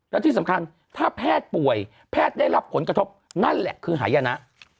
แล้วที่สำคัญถ้าแพทย์ป่วยแพทย์ได้รับผลกระทบนั่นแหละคือหายนะ